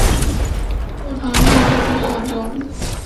入唐后不知所终。